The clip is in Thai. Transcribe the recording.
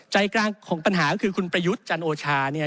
ใจกลางของปัญหาก็คือคุณประยุทธ์จันโอชาเนี่ย